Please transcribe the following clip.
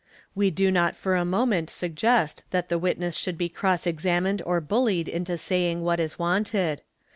We do not for a moment suggest that that the witness should be cross examined or bullied inte saying what is wanted.